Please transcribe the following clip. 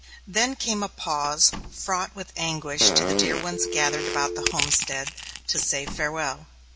Then came a pause fraught with anguish to the dear ones gathered about the homestead to say farewell.